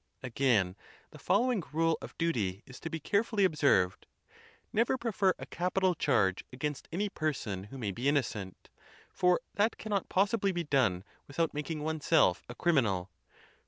Again, the following rule of duty is to be carefiill}' Spare the inno observed: never prefer a capital charge against an\ g?inVy.^*° '^ person who may be innocent. For that cannot possibly be done without making oneself a criminal.